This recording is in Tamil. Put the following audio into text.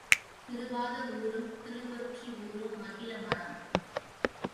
திருவாதவூரும் திருவொற்றியூரும் மகிழமரம்.